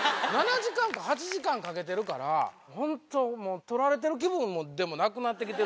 ７時間か８時間かけてるから本当もう撮られてる気分でもなくなってきてるし。